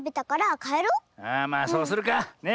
ああまあそうするか。ね。